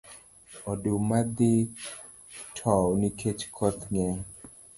Oduma dhi tow nikech koth ngeny.